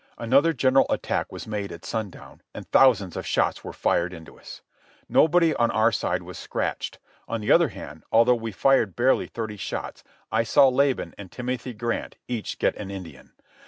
Another general attack was made at sundown, and thousands of shots were fired into us. Nobody on our side was scratched. On the other hand, although we fired barely thirty shots, I saw Laban and Timothy Grant each get an Indian.